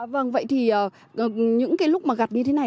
vâng vậy thì những cái lúc mà gặt như thế này